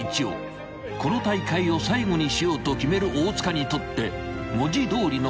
［この大会を最後にしようと決める大塚にとって文字通りの］